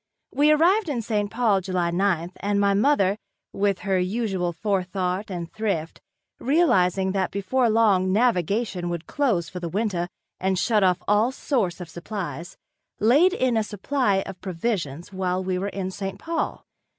We arrived in St. Paul July ninth and my mother, with her usual forethought and thrift, (realizing that before long navigation would close for the winter and shut off all source of supplies) laid in a supply of provisions while we were in St. Paul.